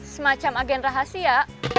semacam agen rahasia